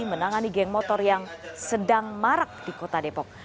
menangani geng motor yang sedang marak di kota depok